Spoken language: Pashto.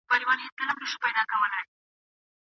موټر چلونکی په خپله سوارلۍ او خپل موټر باندې ډېر باوري و.